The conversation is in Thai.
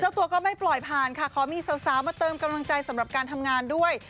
ตัวก็ไม่ปล่อยผ่านค่ะขอมีสาวมาเติมกำลังใจสำหรับการทำงานด้วย